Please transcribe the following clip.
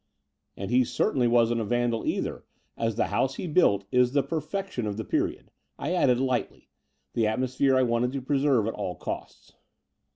And he certainly wasn't a van dal either, as the house he built is the perfection of the period," I added lightly — the atmosphere I wanted to preserve at all costs.